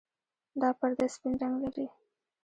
دا پرده سپین رنګ لري.